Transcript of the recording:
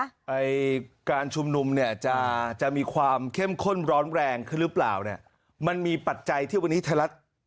ในการชุมนุมเนี่ยจะจะมีความเข้มข้นร้อนแรงขึ้นหรือเปล่าเนี่ยมันมีปัจจัยที่วันนี้ไทยรัฐ